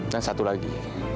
dan satu lagi